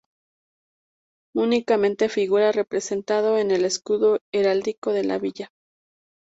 Únicamente figura representado en el escudo heráldico de la villa.